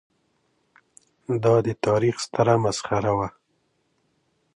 دا د تاریخ ستره مسخره وه.